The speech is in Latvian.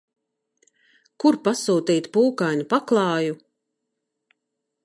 Kur pasūtīt pūkainu paklāju?